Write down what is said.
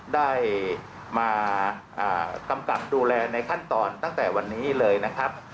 ได้มากำกับดูแลในขั้นตอนตั้งแต่วันนี้เลยนะครับ